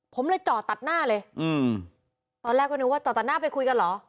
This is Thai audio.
ผมเลยจอดตัดหน้าเลยอืมตอนแรกก็นึกว่าจอดตัดหน้าไปคุยกันเหรอ